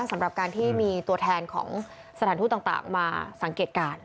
สำหรับการที่มีตัวแทนของสถานทูตต่างมาสังเกตการณ์